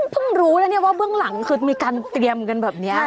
เพิ่งรู้แล้วเนี่ยว่าเบื้องหลังคือมีการเตรียมกันแบบนี้